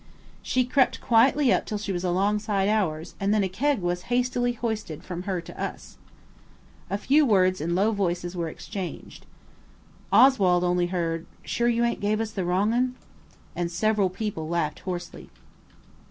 She crept quietly up till she was alongside ours, and then a keg was hastily hoisted from her to us. A few words in low voices were exchanged. Oswald only heard– "Sure you ain't give us the wrong un?" And several people laughed hoarsely.